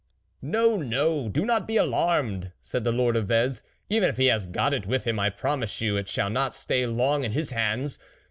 " No, no, do not be alarmed," said the Lord of Vez, " even if he has got it with him, I promise you it shall not stay long in his hands.